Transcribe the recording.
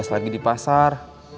lagi di pasar